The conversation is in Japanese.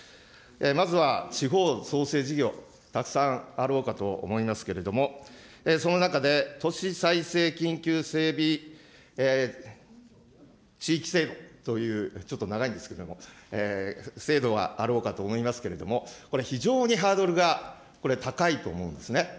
まずは地方創生事業、たくさんあろうかと思いますけれども、その中で、都市再生緊急整備地域制度という、ちょっと長いんですけれども、制度があろうかと思いますけれども、これ、非常にハードルが、これ、高いと思うんですね。